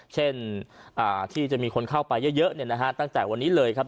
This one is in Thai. เช่นอ่าที่จะมีคนเข้าไปเยอะเยอะเนี่ยนะฮะตั้งแต่วันนี้เลยครับ